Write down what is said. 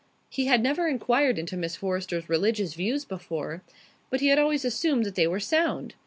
He had never inquired into Miss Forrester's religious views before, but he had always assumed that they were sound.